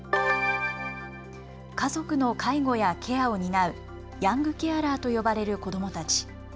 家族の介護やケアを担うヤングケアラーと呼ばれる子どもたち。